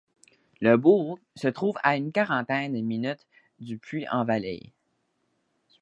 Le bourg se trouve à une quarantaine de minutes du Puy-en-Velay.